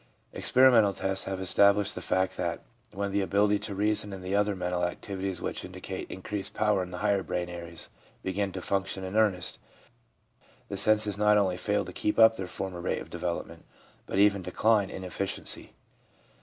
Experimental tests have established the fact that when the ability to reason and the other mental activities which indicate increased power in the higher brain areas begin to function in earnest, the senses not only fail to keep up their former rate of development, but even decline in efficiency.